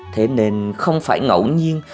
thế nên không phải ngẫu nhiên